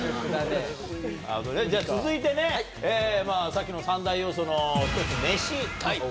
続いてね、さっきの３大要素の１つ、飯。